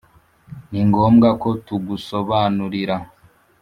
Ni ngombwa ko tugusobanurira